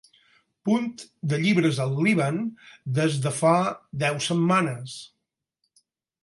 punt de llibres al Líban des de fa deu setmanes